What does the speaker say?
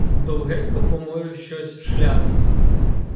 Довгенько по морю щось шлялись